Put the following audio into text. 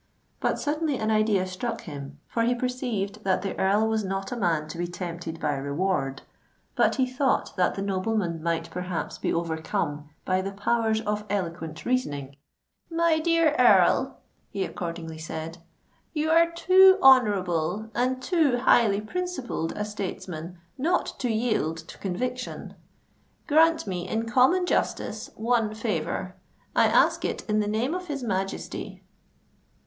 But suddenly an idea struck him;—for he perceived that the Earl was not a man to be tempted by reward; but he thought that the nobleman might perhaps be overcome by the powers of eloquent reasoning. "My dear Earl," he accordingly said, "you are too honourable and too highly principled a statesman not to yield to conviction. Grant me, in common justice, one favour: I ask it in the name of his Majesty."